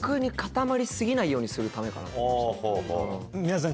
皆さん。